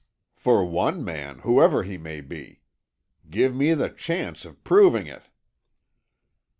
"For one man, whoever he may be. Give me the chance of proving it."